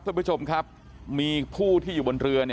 พี่บูรำนี้ลงมาแล้ว